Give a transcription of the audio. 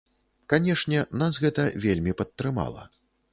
Канешне, нас гэта вельмі падтрымала.